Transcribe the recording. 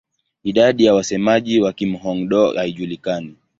Idadi ya wasemaji wa Kihmong-Dô haijulikani.